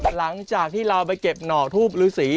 หลังจากที่เราไปเก็บหน่อทูบฤษี